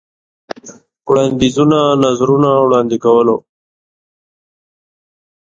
وړاندیزونو ، نظرونه وړاندې کولو.